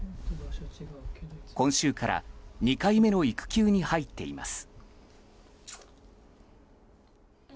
今週から２回目の育休に入っています。